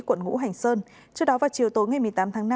quận ngũ hành sơn trước đó vào chiều tối ngày một mươi tám tháng năm